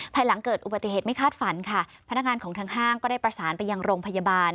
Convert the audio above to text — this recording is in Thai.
หลังเกิดอุบัติเหตุไม่คาดฝันค่ะพนักงานของทางห้างก็ได้ประสานไปยังโรงพยาบาล